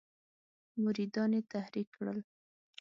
مریدان یې تحریک کړل.